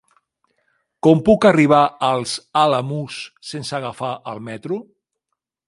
Com puc arribar als Alamús sense agafar el metro?